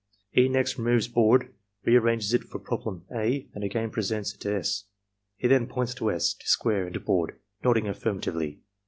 E. next removes board, rearranges it for problem (a), and again presents it to S. He then points to S., to square, and to board, nodding affirmatively.